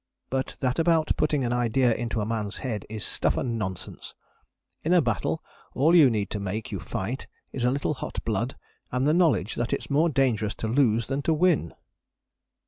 But that about putting an idea into a man's head is stuff and nonsense. In a battle all you need to make you fight is a little hot blood and the knowledge that it's more dangerous to lose than to win.